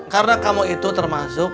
karena kamu itu termasuk